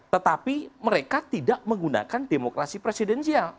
tetapi mereka tidak menggunakan demokrasi presidensial